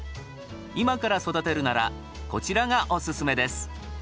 今から育てるならこちらがオススメです。